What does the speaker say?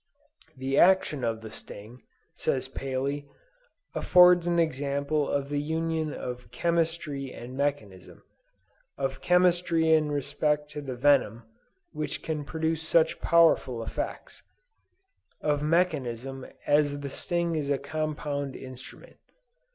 The action of the sting, says Paley, affords an example of the union of chemistry and mechanism; of chemistry in respect to the venom, which can produce such powerful effects; of mechanism as the sting is a compound instrument.